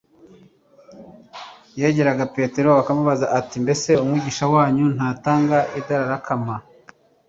yegeraga Petero akamubaza ati :« Mbese umwigisha wanyu ntatanga Idadarakama ?»